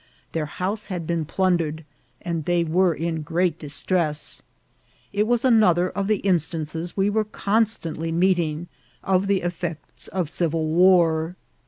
Their house had been plundered, and they were in great distress. It was another of the instances we were constantly meeting of the effects of civil war.